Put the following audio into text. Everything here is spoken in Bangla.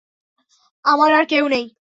আমার আর কেউ নেই।